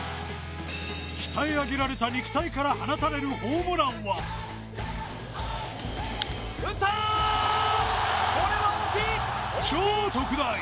鍛え上げられた肉体から放たれるホームランは超特大。